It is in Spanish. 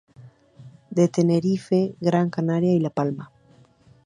De Tenerife, Gran Canaria y La Palma.